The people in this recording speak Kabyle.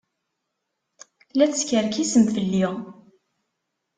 La teskerkisem fell-i.